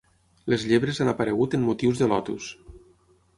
Les llebres han aparegut en motius de Lotus.